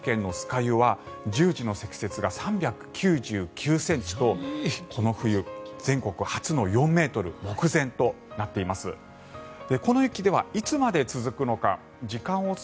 湯は１０時の積雪が３９９ｃｍとこの冬全国初の４ｍ目前となっています。